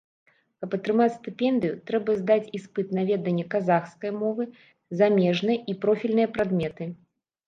Каб атрымаць стыпендыю, трэба здаць іспыт на веданне казахскай мовы, замежнай і профільныя прадметы.